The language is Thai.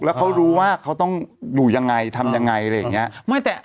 แล้วเขารู้ว่าเขาต้องอยู่ยังไงทำยังไงอะไรอย่างนี้